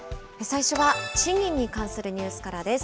最初は賃金に関するニュースからです。